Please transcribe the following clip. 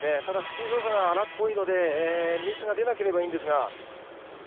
ただスキー動作が荒っぽいのでミスが出なければいいんですが。